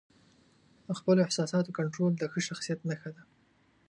د خپلو احساساتو کنټرول د ښه شخصیت نښه ده.